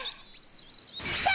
来た！